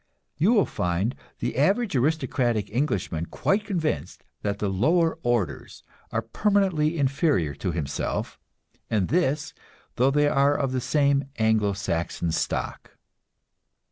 You will find the average aristocratic Englishman quite convinced that the "lower orders" are permanently inferior to himself, and this though they are of the same Anglo Saxon stock.